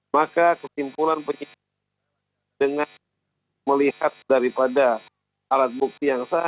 maka kesimpulan penyidik dengan melihat daripada alat bukti yang sah